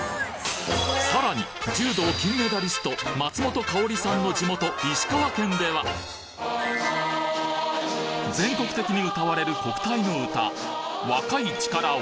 さらに柔道金メダリスト松本薫さんの地元石川県では全国的に歌われる国体の歌『若い力』を